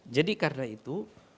jadi karena itu